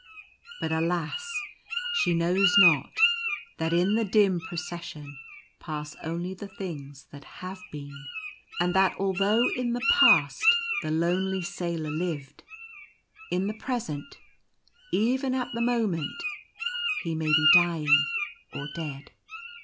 But alas ! she knows not that in the dim Procession pass only the things that have been ; and that although in the past the lonely Sailor lived, in the present — even at the moment — he may be dying or dead.